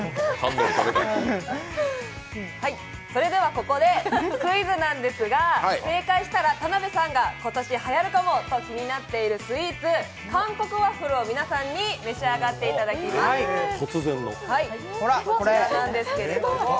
それではここでクイズなんですが正解したら、田辺さんが今年はやるかもと気になっているスイーツ、韓国ワッフルを皆さんに召し上がっていただきます。